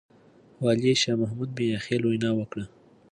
والي شاه محمود مياخيل وينا وکړه.